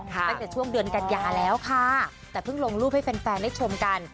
ตั้งแต่ช่วงเดือนกันยาแล้วค่ะแต่เพิ่งลงรูปให้แฟนได้ชมกัน